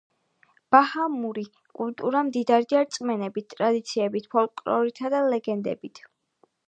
ბაჰამური კულტურა მდიდარია რწმენებით, ტრადიციებით, ფოლკლორითა და ლეგენდებით.